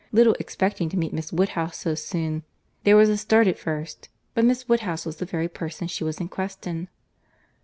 —Little expecting to meet Miss Woodhouse so soon, there was a start at first; but Miss Woodhouse was the very person she was in quest of.